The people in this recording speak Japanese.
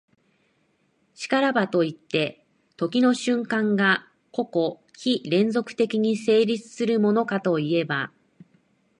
然らばといって、時の瞬間が個々非連続的に成立するものかといえば、